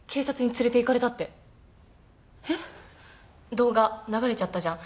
動画流れちゃったじゃん？